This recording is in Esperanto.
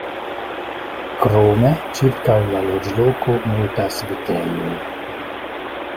Krome, ĉirkaŭ la loĝloko multas vitejoj.